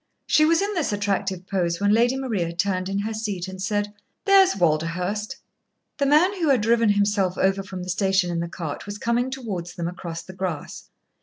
She was in this attractive pose when Lady Maria turned in her seat and said: "There's Walderhurst." The man who had driven himself over from the station in the cart was coming towards them across the grass.